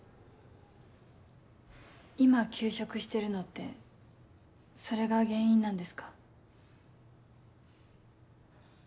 今休職してるのってそれが原因なんですか？